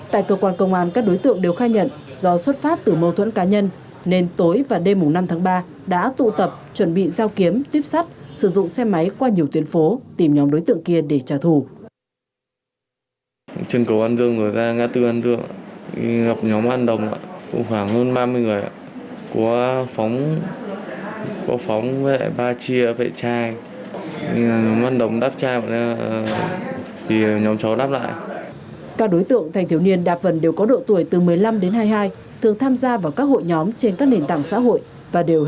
tại cơ quan công an các đối tượng đều khai nhận do xuất phát từ mâu thuẫn cá nhân nên tối và đêm năm tháng ba đã tụ tập chuẩn bị rào kiếm tuyếp sắt sử dụng xe máy qua nhiều tuyến phố tìm nhóm đối tượng kia để trả thù